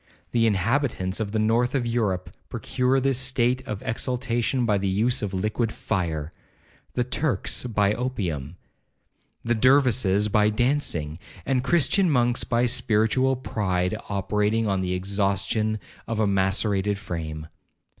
The inhabitants of the north of Europe procure this state of exaltation by the use of liquid fire—the Turks by opium—the Dervises by dancing—and Christian monks by spiritual pride operating on the exhaustion of a macerated frame.